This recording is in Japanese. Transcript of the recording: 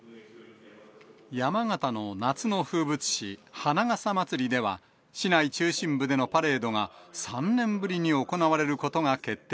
山形の夏の風物詩、花笠まつりでは、市内中心部でのパレードが３年ぶりに行われることが決定。